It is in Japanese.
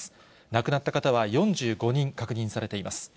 亡くなった方は４５人確認されています。